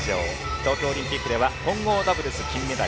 東京オリンピックでは混合ダブルス金メダル。